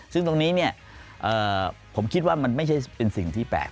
ซึ่งตรงนี้ผมคิดว่ามันไม่ใช่เป็นสิ่งที่แปลก